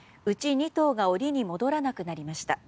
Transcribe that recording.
２頭が檻に戻らなくなりました。